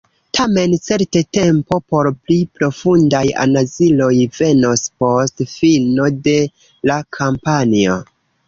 Tamen certe tempo por pli profundaj analizoj venos post fino de la kampanjo.